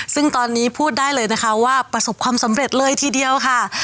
ซึ่งตอนนี้พูดได้เลยนะคะว่าประสบความสำเร็จเลยทีเดียวค่ะ